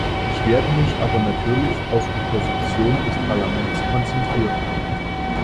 Ich werde mich aber natürlich auf die Position des Parlaments konzentrieren.